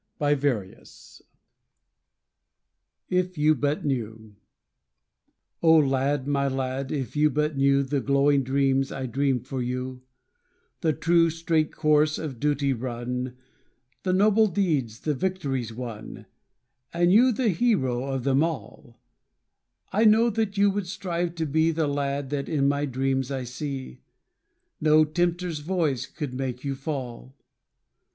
If You But Knew O lad, my lad, if you but knew The glowing dreams I dream of you, The true, straight course of duty run, The noble deeds, the victories won, And you the hero of them all, I know that you would strive to be The lad that in my dreams I see; No tempter's voice could make you fall.